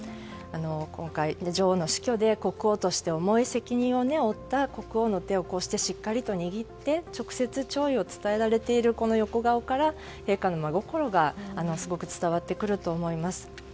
今回、女王の死去で国王として重い責任を負った国王の手をこうしてしっかりと握って直接、弔意を伝えられているこの横顔から陛下の真心がすごく伝わってくると思います。